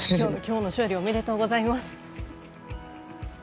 きょうの勝利おめでとうございます。